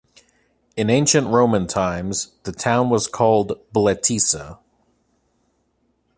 In ancient Roman times, the town was called "Bletisa".